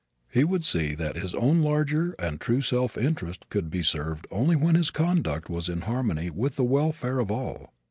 He would see that his own larger and true self interest could be served only when his conduct was in harmony with the welfare of all.